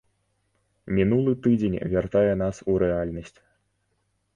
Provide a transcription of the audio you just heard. Мінулы тыдзень вяртае нас у рэальнасць.